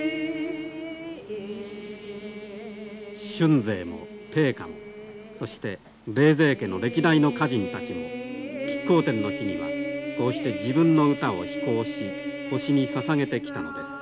俊成も定家もそして冷泉家の歴代の歌人たちも乞巧奠の日にはこうして自分の歌を披講し星にささげてきたのです。